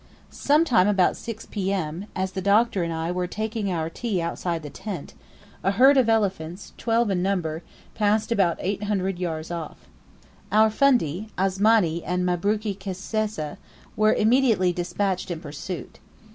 Some time about 6 P.M., as the Doctor and I were taking our tea outside the tent, a herd of elephants, twelve in number, passed about 800 yards off. Our fundi, Asmani and Mabruki Kisesa, were immediately despatched in pursuit.